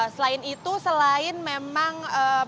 selain itu selain memang